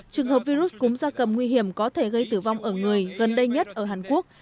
trường hợp virus cúm gia cầm nguy hiểm có thể gây tử vong ở người gần đây nhất ở hàn quốc